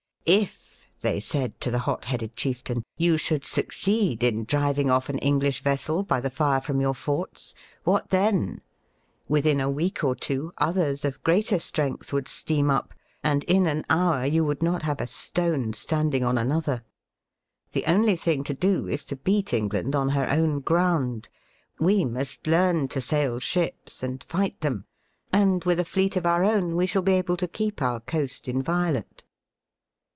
If," they said to the hot headed chieftain, you should succeed in driving off an English vessel by the fire from your forts, what then ? Within a week or two, others of greater strength would steam up, and in an hour you would not have a stone standing on another. The only thing to do is to beat England on her own ground : we must learn to sail ships and fight them, and with a fleet of our own we shall be able to keep our coast inviolate."